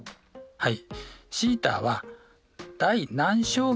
はい。